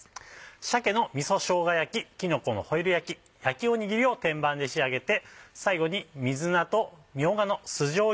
鮭のみそしょうが焼ききのこのホイル焼き焼きおにぎりを天板で仕上げて最後に水菜とみょうがの酢じょうゆ